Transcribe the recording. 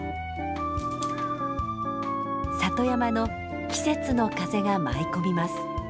里山の季節の風が舞い込みます。